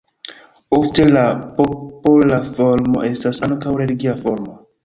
Ofte la popola formo estas ankaŭ religia forma.